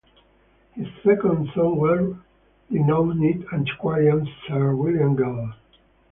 His second son was renowned antiquarian Sir William Gell.